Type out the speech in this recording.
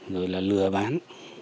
rồi là lừa bán